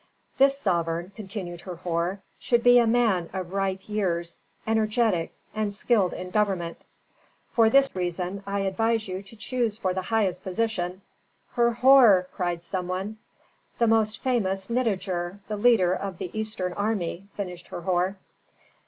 "This sovereign," continued Herhor, "should be a man of ripe years, energetic, and skilled in government. For this reason I advise you to choose for the highest position " "Herhor!" cried some one. "The most famous Nitager, the leader of the eastern army," finished Herhor.